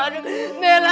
aduh gusti aduh